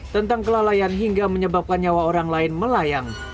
tentang kelalaian hingga menyebabkan nyawa orang lain melayang